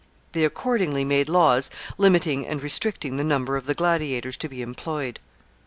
They accordingly made laws limiting and restricting the number of the gladiators to be employed.